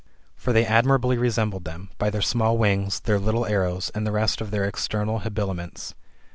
For they admirably resembled them, by their small wings, their little arrows, and the rest of their external habiliments.